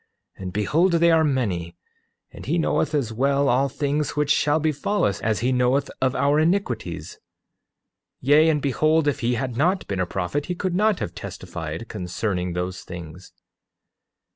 And behold they are many, and he knoweth as well all things which shall befall us as he knoweth of our iniquities; 8:9 Yea, and behold, if he had not been a prophet he could not have testified concerning those things.